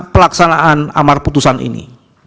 pelaksanaan amar putusan ini